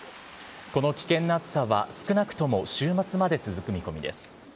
この危険な暑さは少なくとも週末まで続く見込みです。